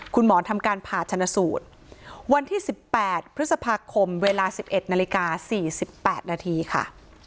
คุณหมอนทำการผ่าชนสูตรวันที่สิบแปดพฤษภาคมเวลาสิบเอ็ดนาฬิกาสี่สิบแปดนาทีค่ะ